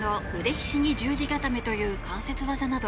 ひしぎ十字固めという関節技など